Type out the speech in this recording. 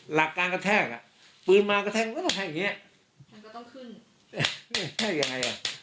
หลักการกระแทกอ่ะปืนมากระแทกก็ต้องกระแทกอย่างเงี้ยมันก็ต้องขึ้นนี่กระแทกอย่างไรอ่ะ